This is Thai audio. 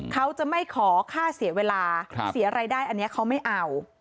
เขาจะไม่ขอค่าเสียเวลาเสียรายได้อันนี้เขาไม่เอา